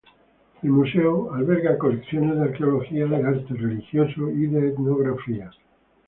El museo alberga colecciones de arqueología, de arte religioso y de etnografía.